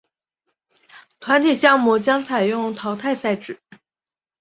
团体项目将采用淘汰赛制。